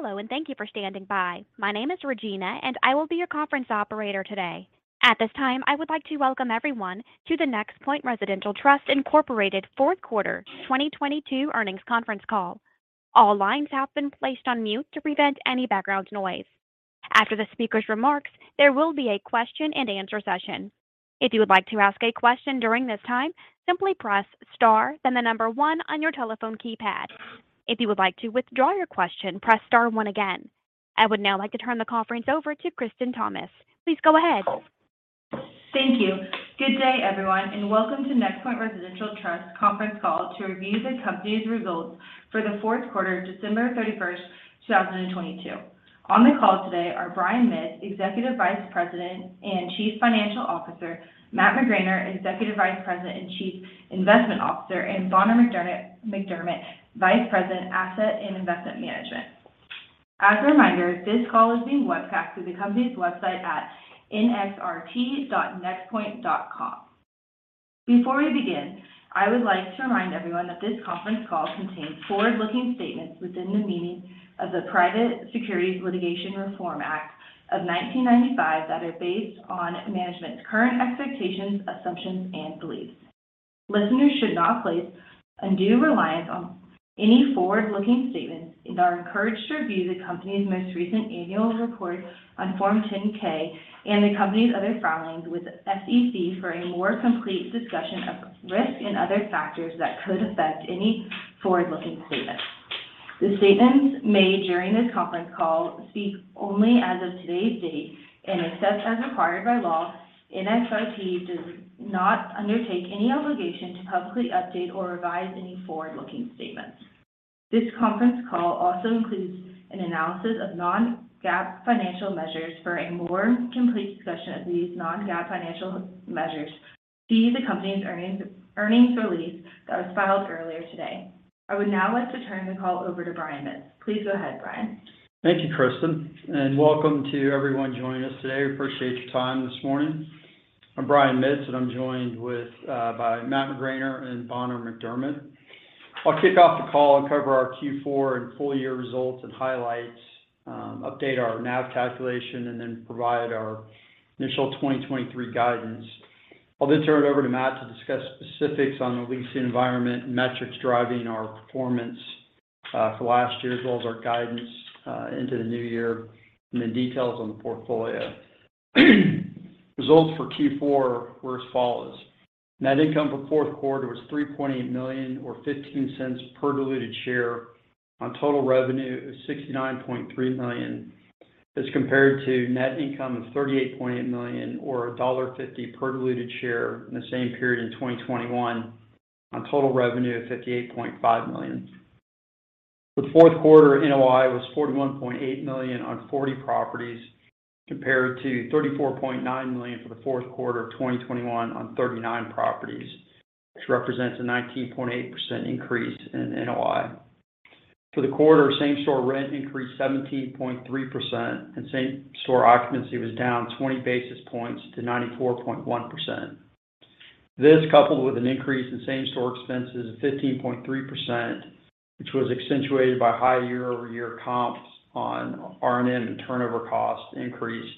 Hello, and thank you for standing by. My name is Regina, and I will be your conference operator today. At this time, I would like to welcome everyone to the NexPoint Residential Trust, Inc. fourth quarter 2022 earnings conference call. All lines have been placed on mute to prevent any background noise. After the speaker's remarks, there will be a question-and-answer session. If you would like to ask a question during this time, simply press star, then the number one on your telephone keypad. If you would like to withdraw your question, press star one again. I would now like to turn the conference over to Kristen Thomas. Please go ahead. Thank you. Good day, everyone, and welcome to NexPoint Residential Trust conference call to review the company's results for the fourth quarter, December 31st, 2022. On the call today are Brian Mitts, Executive Vice President and Chief Financial Officer; Matt McGraner, Executive Vice President and Chief Investment Officer; and Bonner McDermett, Vice President, Asset and Investment Management. As a reminder, this call is being webcast through the company's website at nxrt.nexpoint.com. Before we begin, I would like to remind everyone that this conference call contains forward-looking statements within the meaning of the Private Securities Litigation Reform Act of 1995 that are based on management's current expectations, assumptions, and beliefs. Listeners should not place undue reliance on any forward-looking statements and are encouraged to review the company's most recent annual report on Form 10-K and the company's other filings with SEC for a more complete discussion of risk and other factors that could affect any forward-looking statements. The statements made during this conference call speak only as of today's date and except as required by law, NXRT does not undertake any obligation to publicly update or revise any forward-looking statements. This conference call also includes an analysis of non-GAAP financial measures. For a more complete discussion of these non-GAAP financial measures, see the company's earnings release that was filed earlier today. I would now like to turn the call over to Brian Mitts. Please go ahead, Brian. Thank you, Kristen, welcome to everyone joining us today. We appreciate your time this morning. I'm Brian Mitts, and I'm joined by Matt McGraner and Bonner McDermett. I'll kick off the call and cover our Q4 and full year results and highlights, update our NAV calculation, and then provide our initial 2023 guidance. I'll then turn it over to Matt to discuss specifics on the leasing environment, metrics driving our performance for last year, as well as our guidance into the new year, and the details on the portfolio. Results for Q4 were as follows. Net income for fourth quarter was $3.8 million or $0.15 per diluted share on total revenue of $69.3 million, as compared to net income of $38.8 million or $1.50 per diluted share in the same period in 2021 on total revenue of $58.5 million. The fourth quarter NOI was $41.8 million on 40 properties, compared to $34.9 million for the fourth quarter of 2021 on 39 properties, which represents a 19.8% increase in NOI. For the quarter, same-store rent increased 17.3%, and same-store occupancy was down 20 basis points to 94.1%. This, coupled with an increase in same-store expenses of 15.3%, which was accentuated by high year-over-year comps on R&M and turnover cost increase,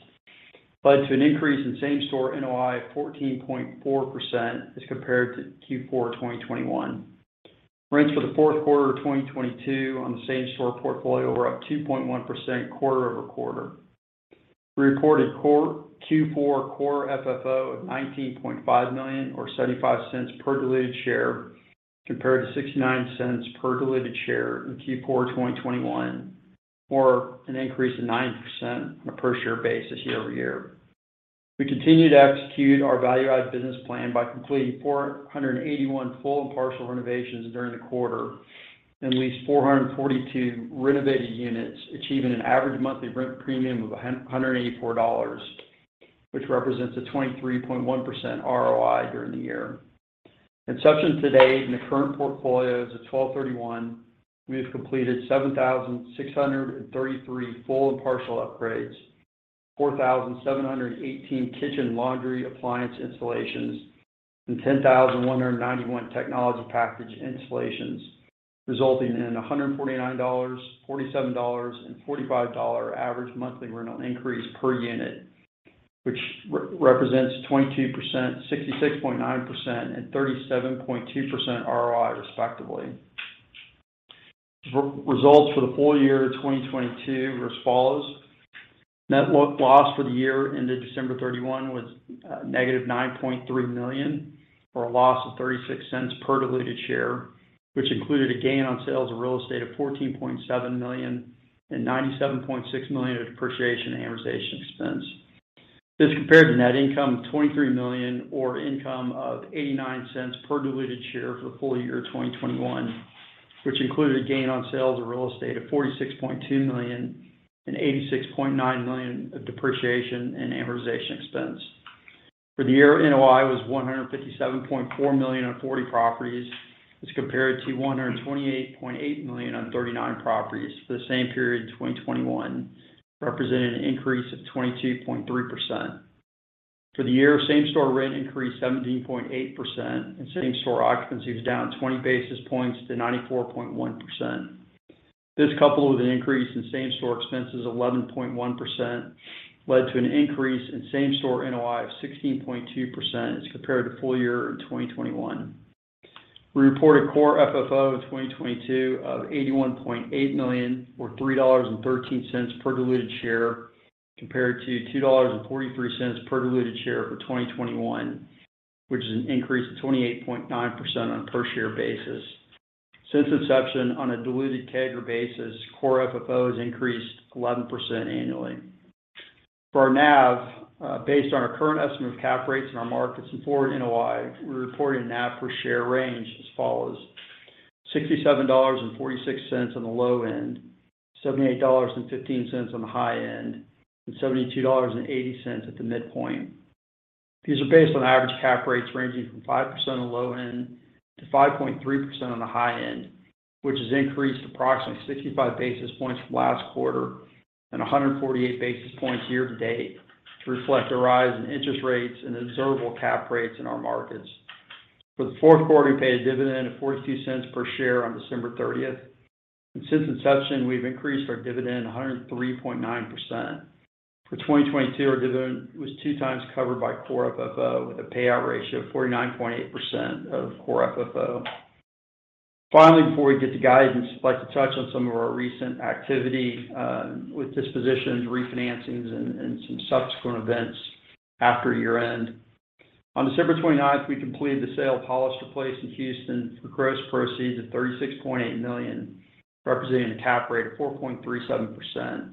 led to an increase in same-store NOI of 14.4% as compared to Q4 2021. Rents for the fourth quarter of 2022 on the same-store portfolio were up 2.1% quarter-over-quarter. We reported Q4 Core FFO of $19.5 million or $0.75 per diluted share, compared to $0.69 per diluted share in Q4 2021, or an increase of 9% on a per-share basis year-over-year. We continue to execute our value-add business plan by completing 481 full and partial renovations during the quarter and leased 442 renovated units, achieving an average monthly rent premium of $184, which represents a 23.1% ROI during the year. Inception to date in the current portfolio as of 12/31, we have completed 7,633 full and partial upgrades, 4,718 kitchen laundry appliance installations, and 10,191 technology package installations, resulting in a $149, $47, and $45 average monthly rental increase per unit, which represents 22%, 66.9%, and 37.2% ROI respectively. Results for the full year of 2022 were as follows. Net loss for the year ended December 31 was negative $9.3 million, or a loss of $0.36 per diluted share, which included a gain on sales of real estate of $14.7 million and $97.6 million of depreciation and amortization expense. This compared to net income of $23 million, or income of $0.89 per diluted share for the full year of 2021, which included a gain on sales of real estate of $46.2 million and $86.9 million of depreciation and amortization expense. For the year, NOI was $157.4 million on 40 properties, as compared to $128.8 million on 39 properties for the same period in 2021, representing an increase of 22.3%. For the year, same-store rent increased 17.8%. Same-store occupancy was down 20 basis points to 94.1%. This, coupled with an increase in same-store expenses 11.1% led to an increase in same-store NOI of 16.2% as compared to full year in 2021. We reported Core FFO in 2022 of $81.8 million or $3.13 per diluted share, compared to $2.43 per diluted share for 2021, which is an increase of 28.9% on a per-share basis. Since inception, on a diluted CAGR basis, Core FFO has increased 11% annually. For our NAV, based on our current estimate of cap rates in our markets and forward NOI, we're reporting a NAV per share range as follows: $67.46 on the low end, $78.15 on the high end, and $72.80 at the midpoint. These are based on average cap rates ranging from 5% on the low end to 5.3% on the high end, which has increased approximately 65 basis points from last quarter and 148 basis points year-to-date to reflect a rise in interest rates and observable cap rates in our markets. For the fourth quarter, we paid a dividend of $0.42 per share on December 30th. Since inception, we've increased our dividend 103.9%. For 2022, our dividend was two times covered by Core FFO, with a payout ratio of 49.8% of Core FFO. Finally, before we get to guidance, I'd like to touch on some of our recent activity with dispositions, refinancings, and some subsequent events after year-end. On December 29th, we completed the sale of Hollister Place in Houston for gross proceeds of $36.8 million, representing a cap rate of 4.37%.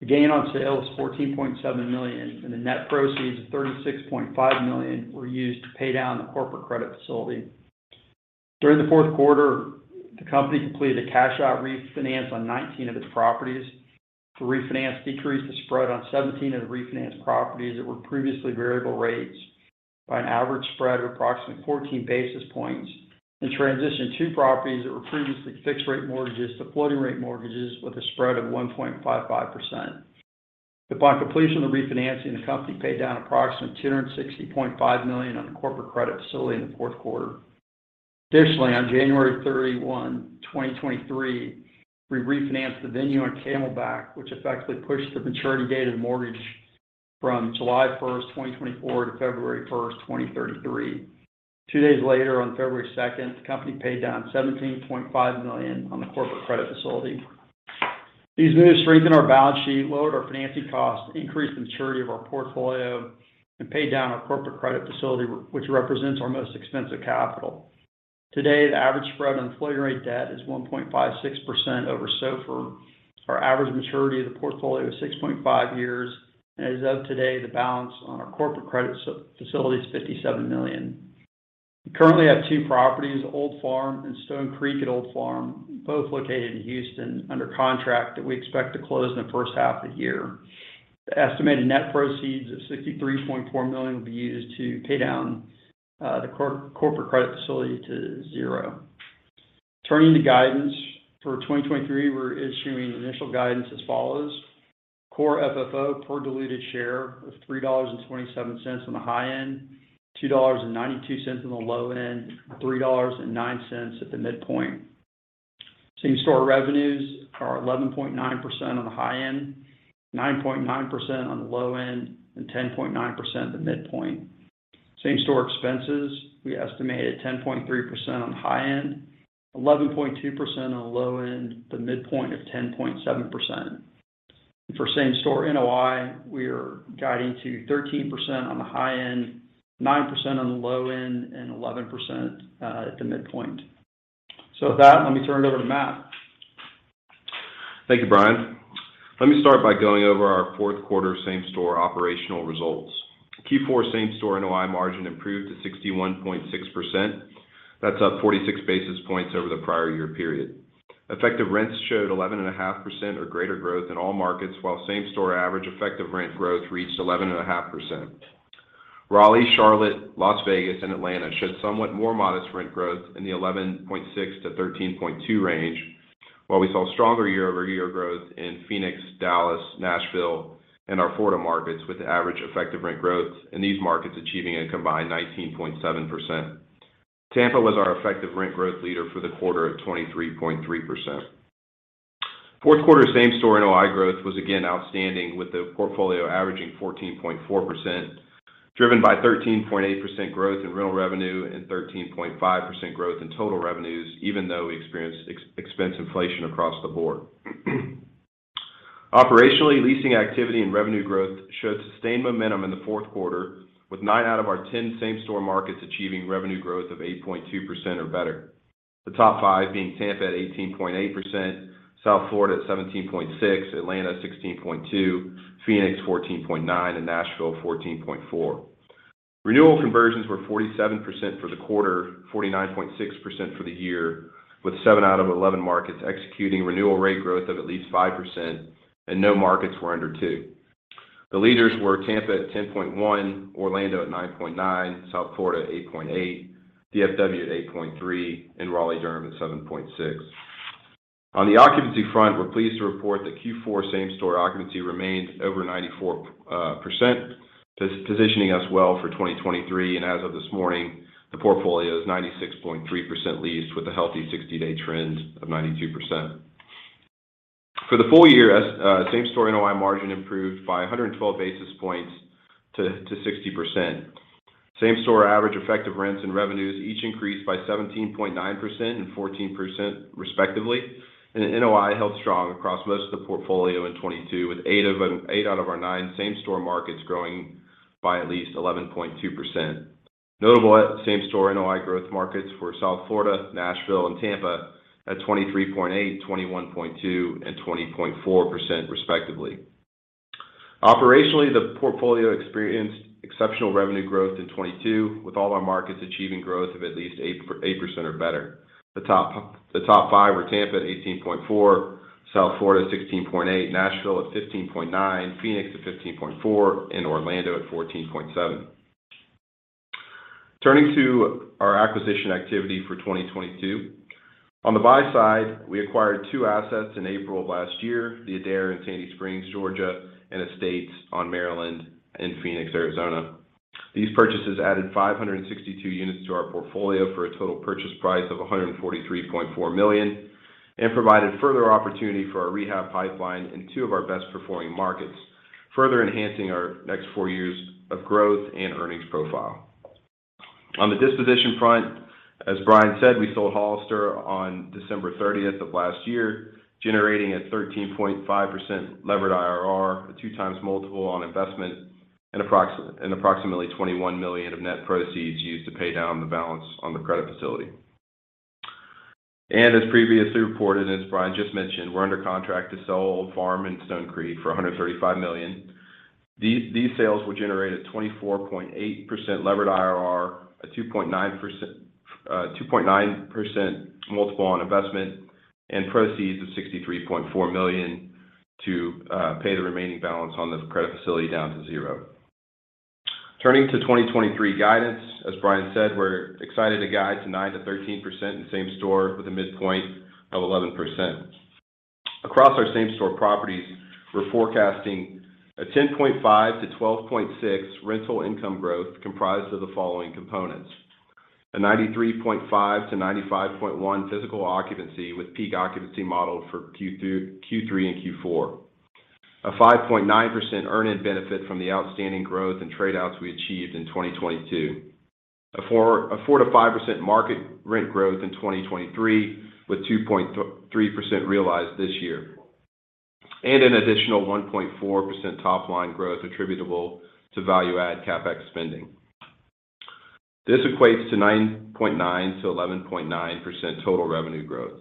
The gain on sale is $14.7 million, the net proceeds of $36.5 million were used to pay down the corporate credit facility. During the fourth quarter, the company completed a cash-out refinance on 19 of its properties. The refinance decreased the spread on 17 of the refinanced properties that were previously variable rates by an average spread of approximately 14 basis points, and transitioned two properties that were previously fixed-rate mortgages to floating-rate mortgages with a spread of 1.55%. Upon completion of the refinancing, the company paid down approximately $260.5 million on the corporate credit facility in the fourth quarter. Additionally, on January 31, 2023, we refinanced the Venue on Camelback, which effectively pushed the maturity date of the mortgage from July 1st, 2024 to February 1st, 2033. Two days later, on February 2nd, the company paid down $17.5 million on the corporate credit facility. These moves strengthen our balance sheet, lowered our financing costs, increased the maturity of our portfolio, and paid down our corporate credit facility, which represents our most expensive capital. Today, the average spread on floating-rate debt is 1.56% over SOFR. Our average maturity of the portfolio is 6.5 years. As of today, the balance on our corporate credit facility is $57 million. We currently have two properties, Old Farm and Stone Creek at Old Farm, both located in Houston, under contract that we expect to close in the first half of the year. The estimated net proceeds of $63.4 million will be used to pay down the corporate credit facility to zero. Turning to guidance. For 2023, we're issuing initial guidance as follows: Core FFO per diluted share of $3.27 on the high end, $2.92 on the low end, $3.09 at the midpoint. Same-store revenues are 11.9% on the high end, 9.9% on the low end, 10.9% at the midpoint. Same-store expenses, we estimate at 10.3% on the high end, 11.2% on the low end, the midpoint of 10.7%. For same-store NOI, we are guiding to 13% on the high end, 9% on the low end, 11% at the midpoint. With that, let me turn it over to Matt. Thank you, Brian. Let me start by going over our fourth quarter same-store operational results. Q4 same-store NOI margin improved to 61.6%. That's up 46 basis points over the prior year period. Effective rents showed 11.5% or greater growth in all markets, while same-store average effective rent growth reached 11.5%. Raleigh, Charlotte, Las Vegas, and Atlanta showed somewhat more modest rent growth in the 11.6%-13.2% range. While we saw stronger year-over-year growth in Phoenix, Dallas, Nashville, and our Florida markets, with average effective rent growth in these markets achieving a combined 19.7%. Tampa was our effective rent growth leader for the quarter at 23.3%. Fourth quarter same-store NOI growth was again outstanding, with the portfolio averaging 14.4%, driven by 13.8% growth in rental revenue and 13.5% growth in total revenues, even though we experienced expense inflation across the board. Operationally, leasing activity and revenue growth showed sustained momentum in the fourth quarter, with nine out of our 10 same-store markets achieving revenue growth of 8.2% or better. The top five being Tampa at 18.8%, South Florida at 17.6%, Atlanta at 16.2%, Phoenix 14.9%, and Nashville 14.4%. Renewal conversions were 47% for the quarter, 49.6% for the year, with seven out of 11 markets executing renewal rate growth of at least 5% and no markets were under two. The leaders were Tampa at 10.1%, Orlando at 9.9%, South Florida 8.8%, DFW at 8.3%, and Raleigh-Durham at 7.6%. On the occupancy front, we're pleased to report that Q4 same-store occupancy remained over 94%, positioning us well for 2023. As of this morning, the portfolio is 96.3% leased with a healthy 60-day trend of 92%. For the full year, same-store NOI margin improved by 112 basis points to 60%. Same-store average effective rents and revenues each increased by 17.9% and 14% respectively. The NOI held strong across most of the portfolio in 2022, with eight out of our nine same-store markets growing by at least 11.2%. Notable same-store NOI growth markets were South Florida, Nashville, and Tampa at 23.8%, 21.2%, and 20.4% respectively. Operationally, the portfolio experienced exceptional revenue growth in 2022, with all our markets achieving growth of at least 8% or better. The top five were Tampa at 18.4%, South Florida at 16.8%, Nashville at 15.9%, Phoenix at 15.4%, and Orlando at 14.7%. Turning to our acquisition activity for 2022. On the buy side, we acquired 2 assets in April of last year, The Adair in Sandy Springs, Georgia, and Estates on Maryland in Phoenix, Arizona. These purchases added 562 units to our portfolio for a total purchase price of $143.4 million, provided further opportunity for our rehab pipeline in two of our best-performing markets, further enhancing our next four years of growth and earnings profile. On the disposition front, as Brian said, we sold Hollister on December 30th of last year, generating a 13.5% levered IRR, a 2x multiple on investment, and approximately $21 million of net proceeds used to pay down the balance on the credit facility. As previously reported, as Brian just mentioned, we're under contract to sell Old Farm in Stone Creek for $135 million. These sales will generate a 24.8% levered IRR, a 2.9%. 2.9% multiple on investment, and proceeds of $63.4 million to pay the remaining balance on the credit facility down to zero. Turning to 2023 guidance, as Brian said, we're excited to guide tonight to 13% in same store with a midpoint of 11%. Across our same-store properties, we're forecasting a 10.5%-12.6% rental income growth comprised of the following components: A 93.5%-95.1% physical occupancy with peak occupancy modeled for Q3 and Q4. A 5.9% earned benefit from the outstanding growth and trade outs we achieved in 2022. A 4%-5% market rent growth in 2023, with 2.3% realized this year. An additional 1.4% top line growth attributable to value add CapEx spending. This equates to 9.9%-11.9% total revenue growth.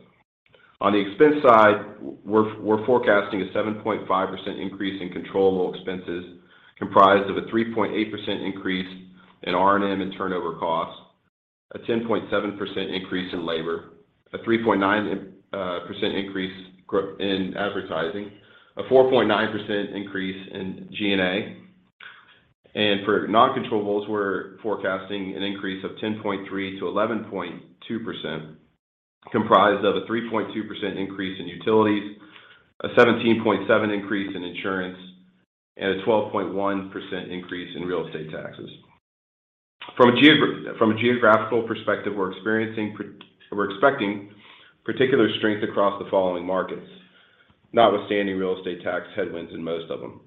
On the expense side, we're forecasting a 7.5% increase in controllable expenses, comprised of a 3.8% increase in R&M and turnover costs, a 10.7% increase in labor, a 3.9% increase in advertising, a 4.9% increase in G&A. For non-controllables, we're forecasting an increase of 10.3%-11.2%, comprised of a 3.2% increase in utilities, a 17.7% increase in insurance, and a 12.1% increase in real estate taxes. From a geographical perspective, we're expecting particular strength across the following markets, notwithstanding real estate tax headwinds in most of them.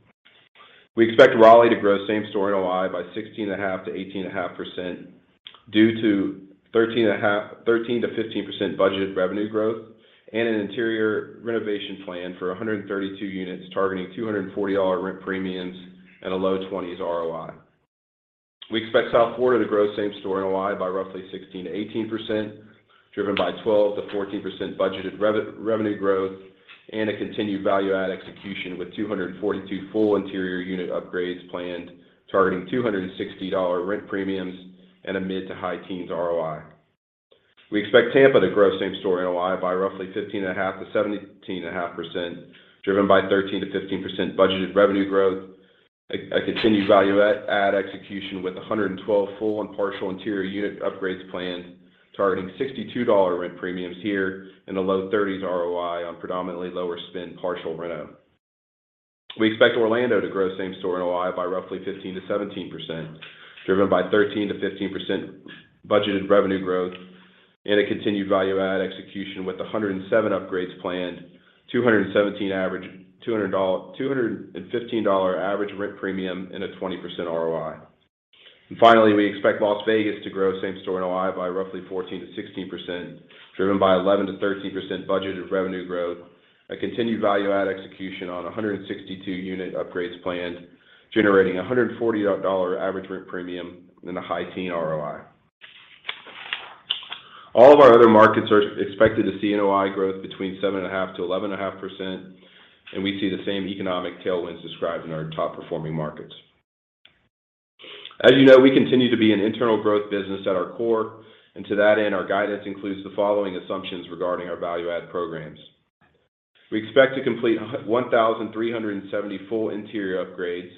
We expect Raleigh to grow same-store NOI by 16.5%-18.5% due to 13%-15% budgeted revenue growth and an interior renovation plan for 132 units targeting $240 rent premiums at a low 20s ROI. We expect South Florida to grow same-store NOI by roughly 16%-18%, driven by 12%-14% budgeted revenue growth and a continued value add execution with 242 full interior unit upgrades planned, targeting $260 rent premiums and a mid-to-high teens ROI. We expect Tampa to grow same-store NOI by roughly 15.5%-17.5%, driven by 13%-15% budgeted revenue growth, a continued value add execution with 112 full and partial interior unit upgrades planned, targeting $62 rent premiums here and a low 30s% ROI on predominantly lower spend partial reno. We expect Orlando to grow same-store NOI by roughly 15%-17%, driven by 13%-15% budgeted revenue growth and a continued value add execution with 107 upgrades planned, 217 average... $215 average rent premium and a 20% ROI. Finally, we expect Las Vegas to grow same-store NOI by roughly 14%-16%, driven by 11%-13% budgeted revenue growth, a continued value add execution on 162 unit upgrades planned, generating a $140 average rent premium and a high teen ROI. All of our other markets are expected to see NOI growth between 7.5%-11.5%, we see the same economic tailwinds described in our top-performing markets. As you know, we continue to be an internal growth business at our core. To that end, our guidance includes the following assumptions regarding our value add programs. We expect to complete 1,370 full interior upgrades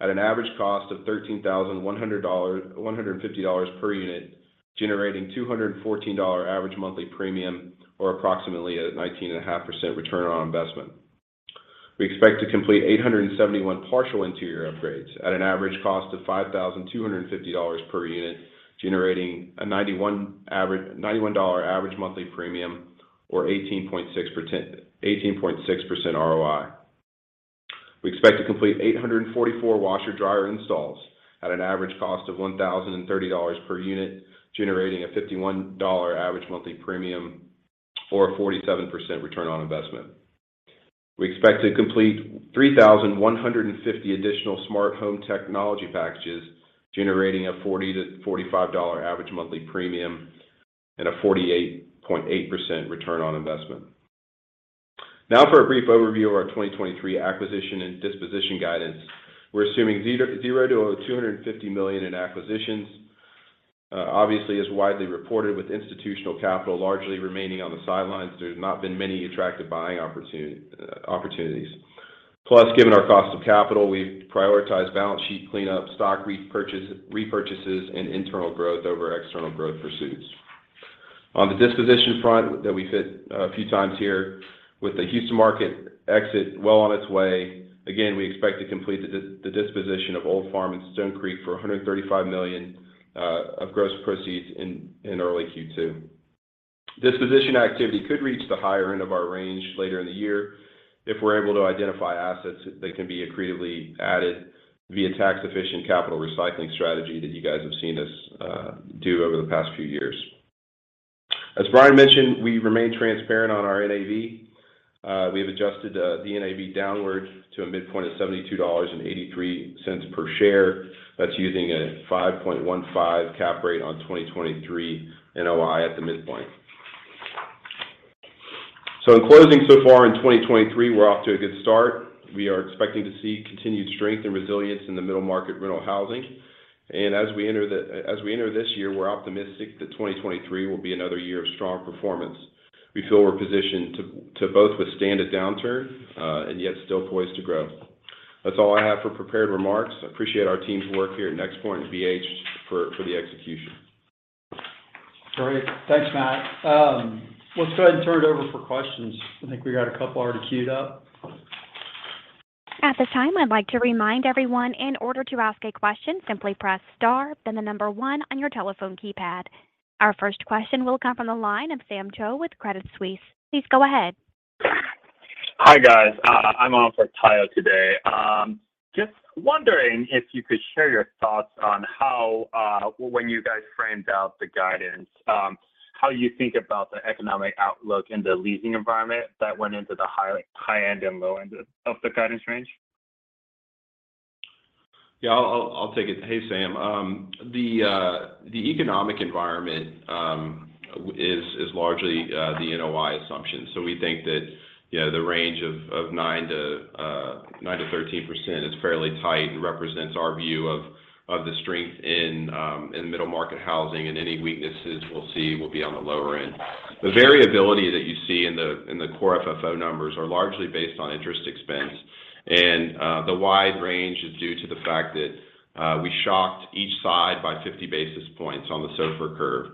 at an average cost of $13,150 per unit, generating a $214 average monthly premium, or approximately a 19.5% ROI. We expect to complete 871 partial interior upgrades at an average cost of $5,250 per unit, generating a $91 average monthly premium or 18.6% ROI. We expect to complete 844 washer dryer installs at an average cost of $1,030 per unit, generating a $51 average monthly premium or a 47% ROI. We expect to complete 3,150 additional smart home technology packages, generating a $40-$45 average monthly premium and a 48.8% ROI. For a brief overview of our 2023 acquisition and disposition guidance. We're assuming zero to over $250 million in acquisitions. Obviously, as widely reported with institutional capital largely remaining on the sidelines, there's not been many attractive buying opportunities. Given our cost of capital, we've prioritized balance sheet cleanup, stock repurchases, and internal growth over external growth pursuits. On the disposition front that we hit a few times here, with the Houston market exit well on its way, we expect to complete the disposition of Old Farm and Stone Creek for $135 million of gross proceeds in early Q2. Disposition activity could reach the higher end of our range later in the year if we're able to identify assets that can be accretively added via tax-efficient capital recycling strategy that you guys have seen us do over the past few years. As Brian mentioned, we remain transparent on our NAV. We have adjusted the NAV downward to a midpoint of $72.83 per share. That's using a 5.15 cap rate on 2023 NOI at the midpoint. In closing, so far in 2023, we're off to a good start. We are expecting to see continued strength and resilience in the middle market rental housing. As we enter this year, we're optimistic that 2023 will be another year of strong performance. We feel we're positioned to both withstand a downturn and yet still poised to grow. That's all I have for prepared remarks. I appreciate our team's work here at NexPoint and BH for the execution. Great. Thanks, Matt. Let's go ahead and turn it over for questions. I think we got a couple already queued up. At this time, I'd like to remind everyone in order to ask a question, simply press star then one on your telephone keypad. Our first question will come from the line of Sam Cho with Credit Suisse. Please go ahead. Hi, guys. I'm on for Tayo today. Just wondering if you could share your thoughts on how, when you guys framed out the guidance, how you think about the economic outlook in the leasing environment that went into the high end and low end of the guidance range? Yeah, I'll take it. Hey, Sam. The economic environment is largely the NOI assumption. We think that, you know, the range of 9%-13% is fairly tight and represents our view of the strength in middle market housing, and any weaknesses we'll see will be on the lower end. The variability that you see in the Core FFO numbers are largely based on interest expense. The wide range is due to the fact that we shocked each side by 50 basis points on the SOFR curve.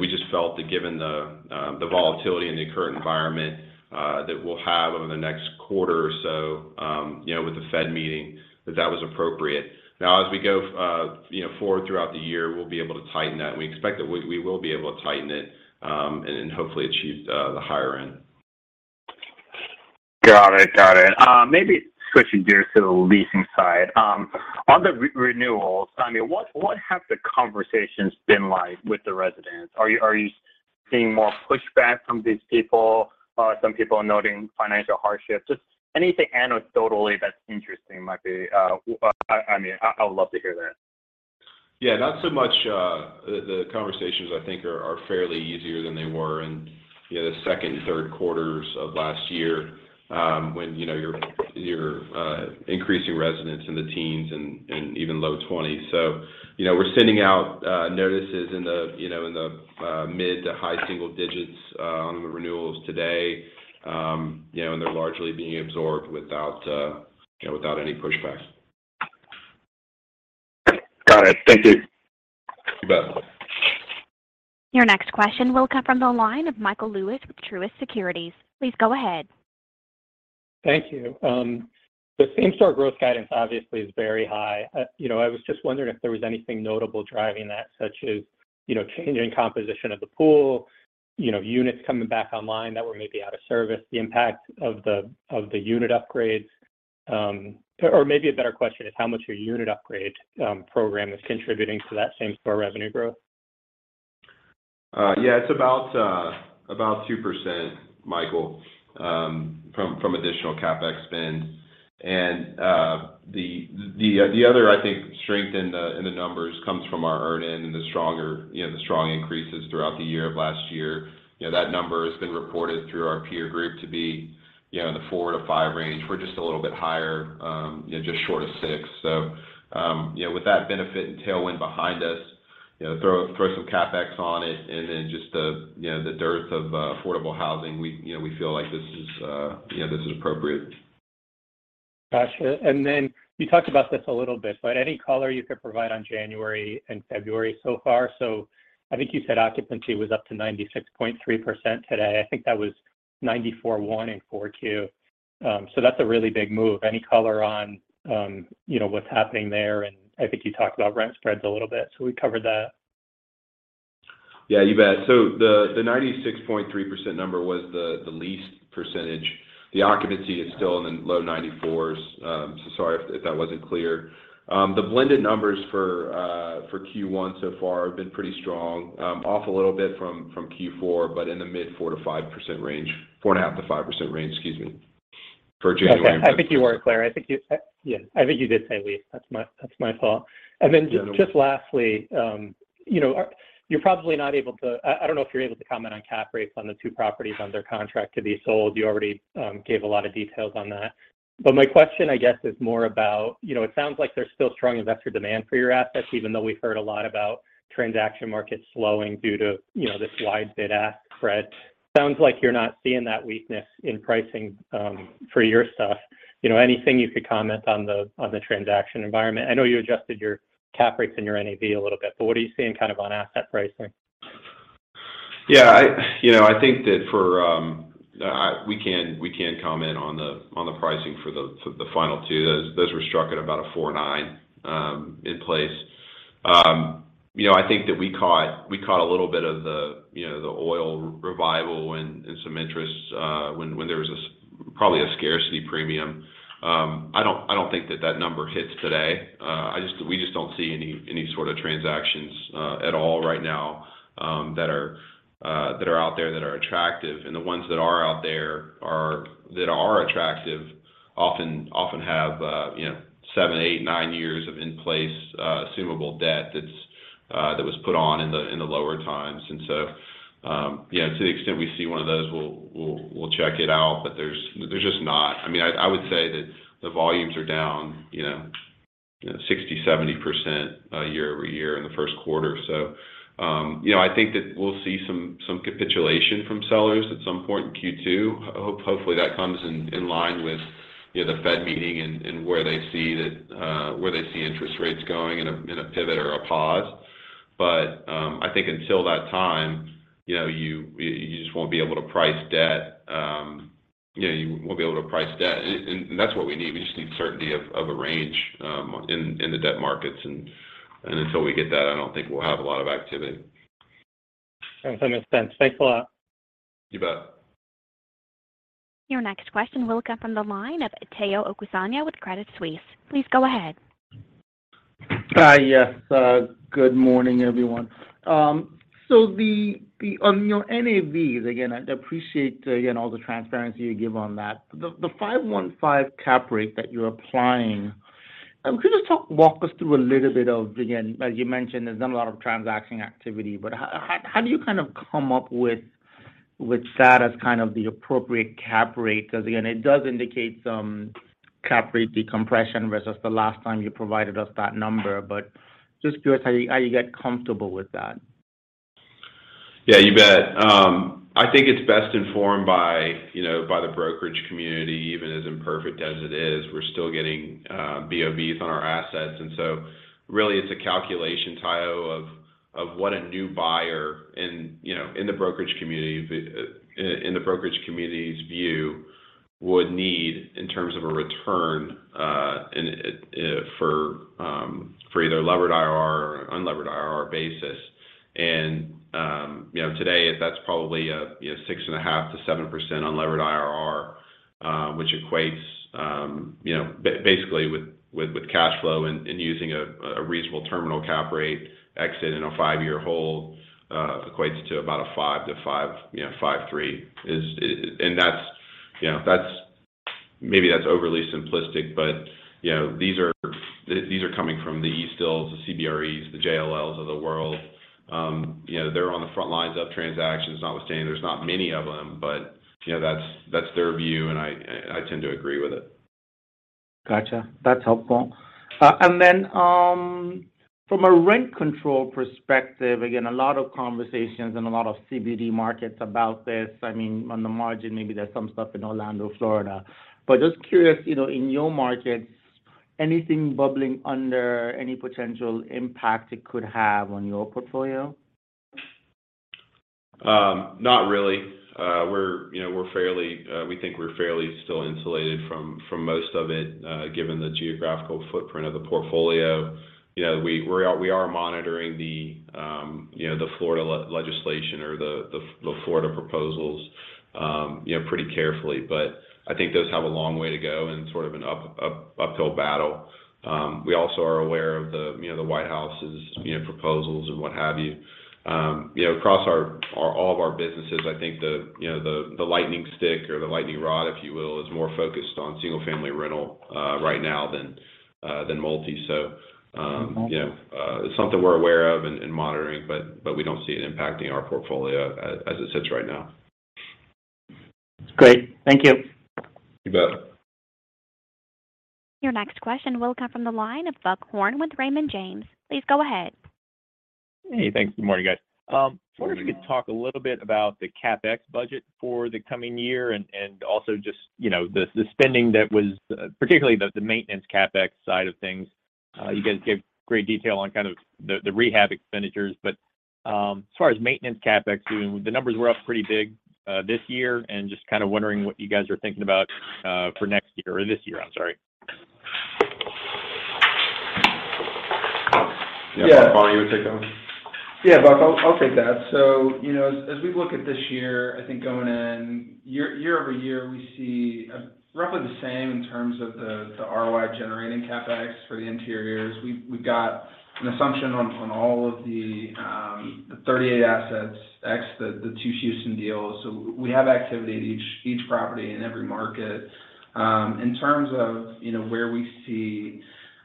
We just felt that given the volatility in the current environment that we'll have over the next quarter or so, you know, with the Fed meeting, that that was appropriate. As we go, you know, forward throughout the year, we'll be able to tighten that, and we expect that we will be able to tighten it, and then hopefully achieve the higher end. Got it. Got it. Maybe switching gears to the leasing side. On the re-renewals, I mean, what have the conversations been like with the residents? Are you seeing more pushback from these people? Some people are noting financial hardships. Just anything anecdotally that's interesting might be, I mean, I would love to hear that. Yeah. Not so much. The conversations I think are fairly easier than they were in, you know, the second and third quarters of last year, when, you know, you're increasing residents in the teens and even low 20s. We're sending out notices in the, you know, in the mid to high single digits, on the renewals today. They're largely being absorbed without, you know, without any pushbacks. Got it. Thank you. You bet. Your next question will come from the line of Michael Lewis with Truist Securities. Please go ahead. Thank you. The same-store growth guidance obviously is very high. you know, I was just wondering if there was anything notable driving that, such as, you know, changing composition of the pool, you know, units coming back online that were maybe out of service, the impact of the, of the unit upgrades. Maybe a better question is how much your unit upgrade, program is contributing to that same-store revenue growth? Yeah, it's about about 2%, Michael, from additional CapEx spend. The other, I think, strength in the numbers comes from our earn-in and the stronger, you know, the strong increases throughout the year of last year. You know, that number has been reported through our peer group to be, you know, in the 4-5 range. We're just a little bit higher, you know, just short of six. You know, with that benefit and tailwind behind us. You know, throw some CapEx on it, and then just the, you know, the dearth of affordable housing, we, you know, we feel like this is, you know, this is appropriate. Gotcha. You talked about this a little bit, but any color you could provide on January and February so far? I think you said occupancy was up to 96.3% today. I think that was 94.1% in 4.2. That's a really big move. Any color on, you know, what's happening there? I think you talked about rent spreads a little bit, so we covered that. You bet. The 96.3% number was the lease percentage. The occupancy is still in the low 94s. Sorry if that wasn't clear. The blended numbers for Q1 so far have been pretty strong. Off a little bit from Q4, but in the mid 4%-5% range. 4.5%-5% range, excuse me, for January and February. Okay. I think you were clear. Yeah, I think you did say lease. That's my fault. Yeah, no worries. Just lastly, you know, I don't know if you're able to comment on cap rates on the two properties under contract to be sold. You already gave a lot of details on that. My question, I guess, is more about, you know, it sounds like there's still strong investor demand for your assets, even though we've heard a lot about transaction markets slowing due to, you know, this wide bid-ask spread. Sounds like you're not seeing that weakness in pricing for your stuff. You know, anything you could comment on the transaction environment? I know you adjusted your cap rates and your NAV a little bit, but what are you seeing kind of on asset pricing? Yeah. I, you know, I think that for, we can comment on the pricing for the final two. Those were struck at about a 4.9 in place. You know, I think that we caught a little bit of the, you know, the oil revival and some interest when there was probably a scarcity premium. I don't think that that number hits today. We just don't see any sort of transactions at all right now that are out there that are attractive. The ones that are out there that are attractive often have, you know, seven, eight, nine years of in-place assumable debt that was put on in the lower times. You know, to the extent we see one of those, we'll check it out, but there's just not. I mean, I would say that the volumes are down, you know, 60%-70% year-over-year in the first quarter. You know, I think that we'll see some capitulation from sellers at some point in Q2. Hopefully, that comes in line with, you know, the Fed meeting and where they see that, where they see interest rates going in a pivot or a pause. I think until that time, you know, you just won't be able to price debt. You know, you won't be able to price debt. That's what we need. We just need certainty of a range in the debt markets. Until we get that, I don't think we'll have a lot of activity. Sounds like makes sense. Thanks a lot. You bet. Your next question will come from the line of Omotayo Okusanya with Credit Suisse. Please go ahead. Hi, yes. Good morning, everyone. The On your NAVs, again, I appreciate all the transparency you give on that. The 5.15% cap rate that you're applying, could you just walk us through a little bit of, again, as you mentioned, there's been a lot of transaction activity, but how do you kind of come up with that as kind of the appropriate cap rate? Because again, it does indicate some cap rate decompression versus the last time you provided us that number. Just curious how you get comfortable with that. Yeah, you bet. I think it's best informed by, you know, by the brokerage community, even as imperfect as it is. We're still getting BOVs on our assets. Really it's a calculation, Tayo, of what a new buyer in, you know, in the brokerage community's view would need in terms of a return, and for either levered IRR or unlevered IRR basis. Today that's probably, you know, 6.5%-7% unlevered IRR, which equates, you know, basically with cash flow and using a reasonable terminal cap rate exit in a five-year hold, equates to about a 5-5, you know, 5.3. That's, you know, that's. Maybe that's overly simplistic, but, you know, these are, these are coming from the Eastdil, the CBREs, the JLLs of the world. You know, they're on the front lines of transactions, notwithstanding there's not many of them, but, you know, that's their view, and I, and I tend to agree with it. Gotcha. That's helpful. From a rent control perspective, again, a lot of conversations in a lot of CBD markets about this. I mean, on the margin, maybe there's some stuff in Orlando, Florida. Just curious, you know, in your markets, anything bubbling under, any potential impact it could have on your portfolio? Not really. We're, you know, we're fairly, we think we're fairly still insulated from most of it, given the geographical footprint of the portfolio. You know, we are monitoring the, you know, the Florida legislation or the Florida proposals, you know, pretty carefully. I think those have a long way to go and sort of an uphill battle. We also are aware of the, you know, the White House's, you know, proposals and what have you. You know, across all of our businesses, I think the, you know, the lightning stick or the lightning rod, if you will, is more focused on single-family rental right now than multi. Okay ... you know, it's something we're aware of and monitoring, but we don't see it impacting our portfolio as it sits right now. Great. Thank you. You bet. Your next question will come from the line of Buck Horne with Raymond James. Please go ahead. Hey, thanks. Good morning, guys. Was wondering if you could talk a little bit about the CapEx budget for the coming year and also just, you know, the spending that was, particularly the maintenance CapEx side of things. You guys gave great detail on kind of the rehab expenditures, but as far as maintenance CapEx, the numbers were up pretty big this year. Just kinda wondering what you guys are thinking about for next year or this year. I'm sorry. Yeah. Buck, want me to take that one? Yeah, Buck, I'll take that. you know, as we look at this year, I think going in, year-over-year, we see roughly the same in terms of the ROI-generating CapEx for the interiors. We've got an assumption on all of the 38 assets, ex the two Houston deals. we have activity at each property in every market. in terms of, you know, where we see,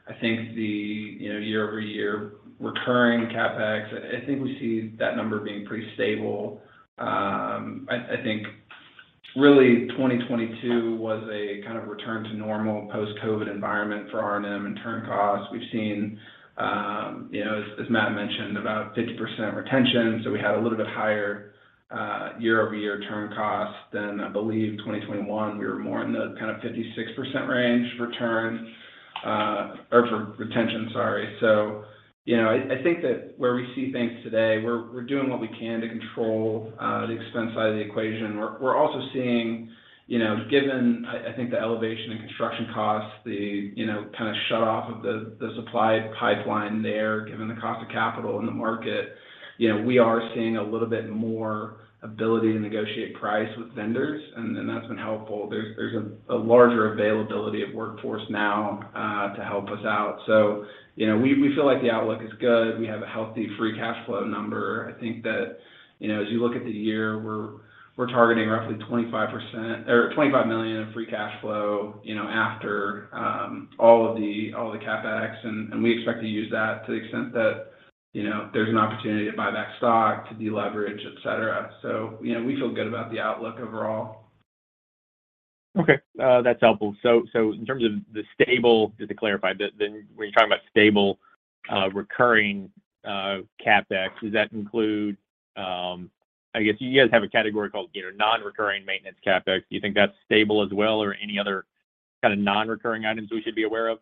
I think the, you know, year-over-year recurring CapEx, I think we see that number being pretty stable. I think really 2022 was a kind of return to normal post-COVID environment for R&M and turn costs. We've seen, you know, as Matt mentioned, about 50% retention, so we had a little bit higher year-over-year turn cost than I believe in 2021, we were more in the kind of 56% range for turns, or for retention, sorry. You know, I think that where we see things today, we're doing what we can to control the expense side of the equation. We're also seeing, you know, given, I think the elevation in construction costs, the, you know, kinda shut off of the supply pipeline there, given the cost of capital in the market, you know, we are seeing a little bit more ability to negotiate price with vendors, and that's been helpful. There's a larger availability of workforce now to help us out. You know, we feel like the outlook is good. We have a healthy free cash flow number. I think that, you know, as you look at the year, we're targeting roughly 25% or $25 million of free cash flow, you know, after all the CapEx, and we expect to use that to the extent that, you know, there's an opportunity to buy back stock, to deleverage, et cetera. You know, we feel good about the outlook overall. Okay. That's helpful. In terms of the stable, just to clarify, then when you're talking about stable, recurring CapEx, does that include? I guess you guys have a category called, you know, non-recurring maintenance CapEx. Do you think that's stable as well, or any other kind of non-recurring items we should be aware of?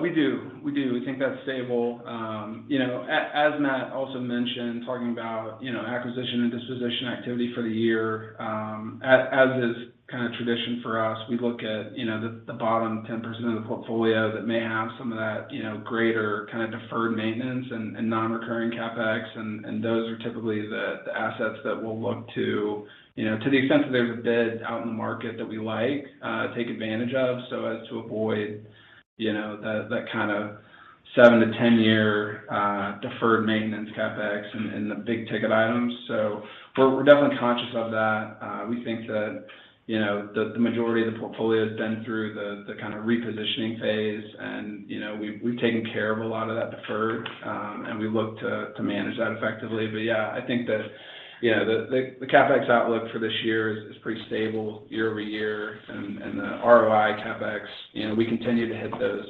We do. We do. We think that's stable. you know, as Matt also mentioned, talking about, you know, acquisition and disposition activity for the year, as is kind of tradition for us, we look at, you know, the bottom 10% of the portfolio that may have some of that, you know, greater kind of deferred maintenance and non-recurring CapEx, and those are typically the assets that we'll look to, you know, to the extent that there's a bid out in the market that we like, take advantage of so as to avoid, you know, that kind of 7-10 year deferred maintenance CapEx and the big ticket items. We're definitely conscious of that. We think that, you know, the majority of the portfolio has been through the kind of repositioning phase and, you know, we've taken care of a lot of that deferred, and we look to manage that effectively. Yeah, I think that, you know, the, the CapEx outlook for this year is pretty stable year-over-year. The ROI CapEx, you know, we continue to hit those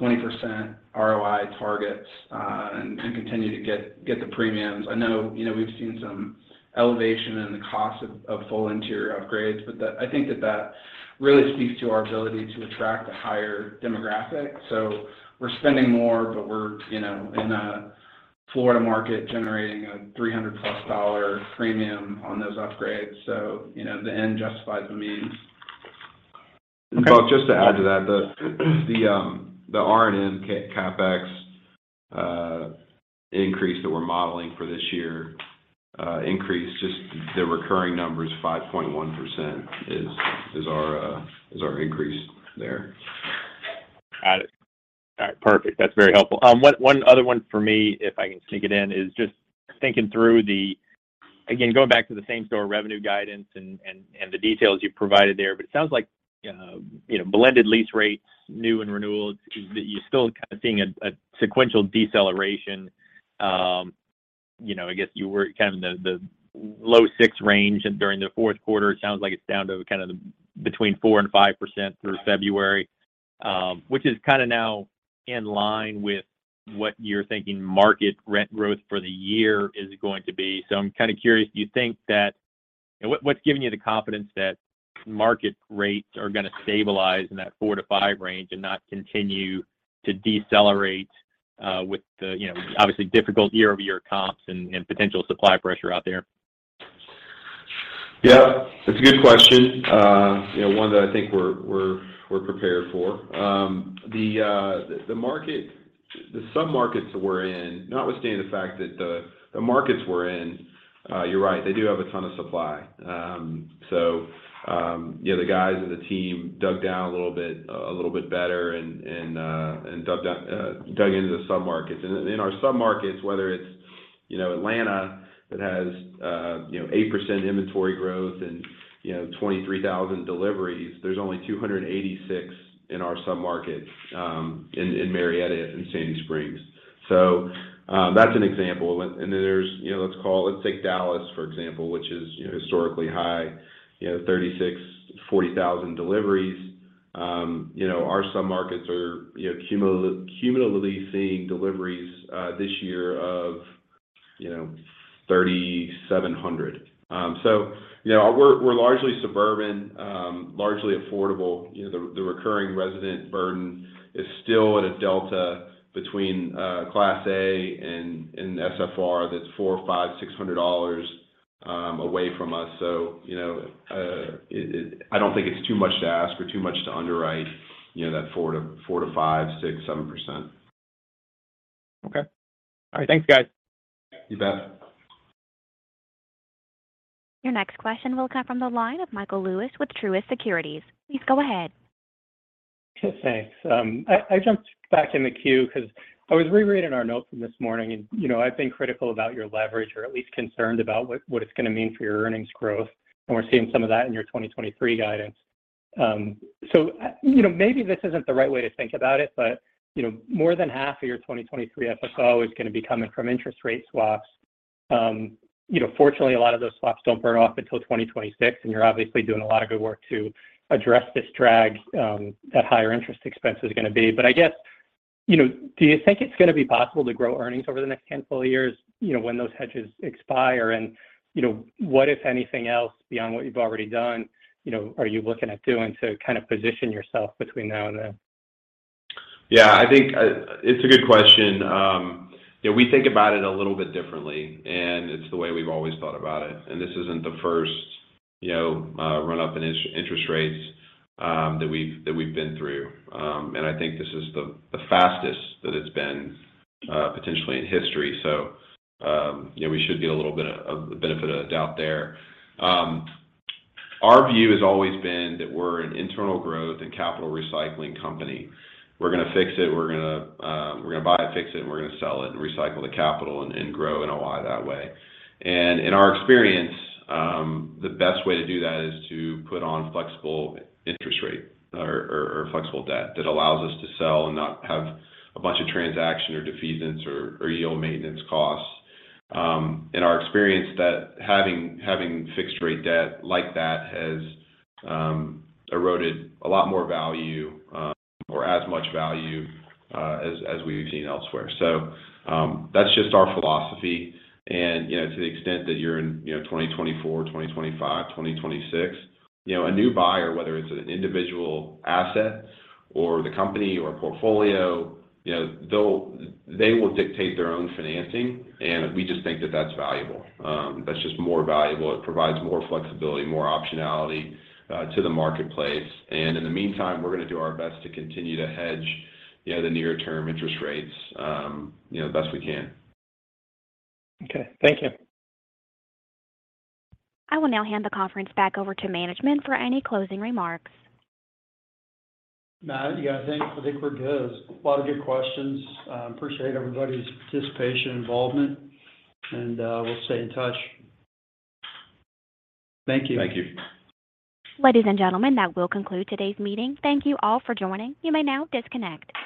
20% ROI targets, and continue to get the premiums. I know, you know, we've seen some elevation in the cost of full interior upgrades, I think that that really speaks to our ability to attract a higher demographic. We're spending more, but we're, you know, in a Florida market generating a $300+ dollar premium on those upgrades, so, you know, the end justifies the means. Buck, just to add to that, the R&M CapEx increase that we're modeling for this year, just the recurring number is 5.1% is our increase there. Got it. All right, perfect. That's very helpful. One other one for me, if I can sneak it in, is just thinking through the again, going back to the same-store revenue guidance and the details you've provided there. It sounds like, you know, blended lease rates, new and renewals, you're still kind of seeing a sequential deceleration. You know, I guess you were kind of in the low 6% range during the fourth quarter. It sounds like it's down to kind of between 4%-5% through February, which is kinda now in line with what you're thinking market rent growth for the year is going to be. I'm kinda curious, do you think that... What's giving you the confidence that market rates are gonna stabilize in that 4-5 range and not continue to decelerate, with the, you know, obviously difficult year-over-year comps and potential supply pressure out there? That's a good question. you know, one that I think we're prepared for. the sub-markets that we're in, notwithstanding the fact that the markets we're in, you're right, they do have a ton of supply. you know, the guys and the team dug down a little bit, a little bit better and, dug into the sub-markets. In our sub-markets, whether it's, you know, Atlanta that has, you know, 8% inventory growth and, you know, 23,000 deliveries, there's only 286 in our sub-market, in Marietta and Sandy Springs. That's an example. Then there's, you know, let's call... Let's take Dallas, for example, which is, you know, historically high, you know, 36,000, 40,000 deliveries. You know, our submarkets are, you know, cumulatively seeing deliveries this year of, you know, 3,700. You know, we're largely suburban, largely affordable. You know, the recurring resident burden is still at a delta between class A and SFR that's $400, $500, $600 away from us. You know, I don't think it's too much to ask or too much to underwrite, you know, that 4% to 5%, 6%, 7%. Okay. All right. Thanks, guys. You bet. Your next question will come from the line of Michael Lewis with Truist Securities. Please go ahead. Thanks. I jumped back in the queue because I was rereading our notes from this morning and, you know, I've been critical about your leverage or at least concerned about what it's gonna mean for your earnings growth, and we're seeing some of that in your 2023 guidance. You know, maybe this isn't the right way to think about it, but, you know, more than half of your 2023 FFO is gonna be coming from interest rate swaps. You know, fortunately, a lot of those swaps don't burn off until 2026, and you're obviously doing a lot of good work to address this drag, that higher interest expense is gonna be. I guess, you know, do you think it's gonna be possible to grow earnings over the next 10 full years, you know, when those hedges expire? You know, what, if anything else, beyond what you've already done, you know, are you looking at doing to kind of position yourself between now and then? Yeah, I think it's a good question. You know, we think about it a little bit differently, and it's the way we've always thought about it. This isn't the first, you know, run-up in interest rates that we've been through. I think this is the fastest that it's been potentially in history. You know, we should get a little bit of the benefit of the doubt there. Our view has always been that we're an internal growth and capital recycling company. We're gonna fix it. We're gonna buy it, fix it, and we're gonna sell it and recycle the capital and grow NOI that way. In our experience, the best way to do that is to put on flexible interest rate or, or flexible debt that allows us to sell and not have a bunch of transaction or defeasance or yield maintenance costs. In our experience that having fixed rate debt like that has eroded a lot more value or as much value as we've seen elsewhere. That's just our philosophy and, you know, to the extent that you're in, you know, 2024, 2025, 2026, you know, a new buyer, whether it's an individual asset or the company or portfolio, you know, they will dictate their own financing, and we just think that that's valuable. That's just more valuable. It provides more flexibility, more optionality to the marketplace. In the meantime, we're gonna do our best to continue to hedge, you know, the near term interest rates, you know, the best we can. Okay. Thank you. I will now hand the conference back over to management for any closing remarks. No, you know, I think we're good. A lot of good questions. Appreciate everybody's participation, involvement, and we'll stay in touch. Thank you. Thank you. Ladies and gentlemen, that will conclude today's meeting. Thank you all for joining. You may now disconnect.